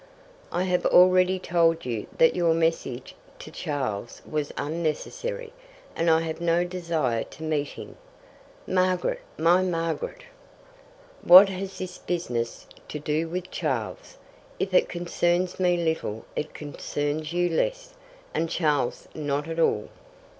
"I have already told you that your message to Charles was unnecessary, and I have no desire to meet him." "Margaret my Margaret " "What has this business to do with Charles? If it concerns me little, it concerns you less, and Charles not at all."